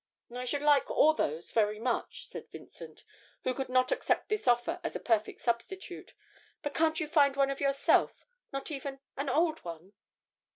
'I should like all those very much,' said Vincent, who could not accept this offer as a perfect substitute, 'but can't you find one of yourself, not even an old one?'